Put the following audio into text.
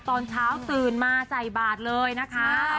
ตอนเช้าตื่นมาใส่บาทเลยนะคะ